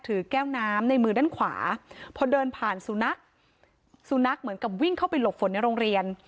แก้วน้ำในมือด้านขวาพอเดินผ่านสุนัขสุนัขเหมือนกับวิ่งเข้าไปหลบฝนในโรงเรียน